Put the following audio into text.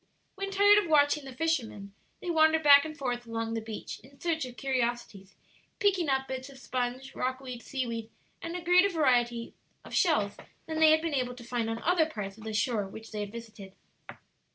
When tired of watching the fisherman, they wandered back and forth along the beach in search of curiosities, picking up bits of sponge, rockweed, seaweed, and a greater variety of shells than they had been able to find on other parts of the shore which they had visited.